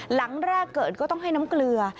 หลังแรกเกิดก็ต้องให้น้ำเกลือ